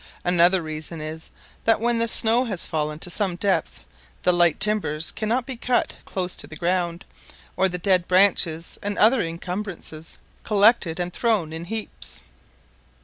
Another reason is, that when the snow has fallen to some depth, the light timbers cannot be cut close to the ground, or the dead branches and other incumbrances collected and thrown in heaps.